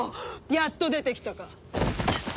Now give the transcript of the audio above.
やっと出てきたか。